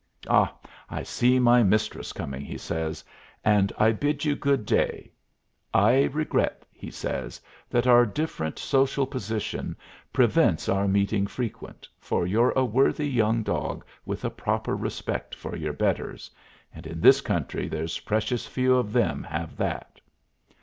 Ah, I see my mistress coming," he says, "and I bid you good day. I regret," he says, "that our different social position prevents our meeting frequent, for you're a worthy young dog with a proper respect for your betters, and in this country there's precious few of them have that."